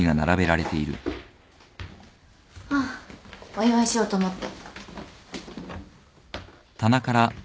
ああお祝いしようと思って。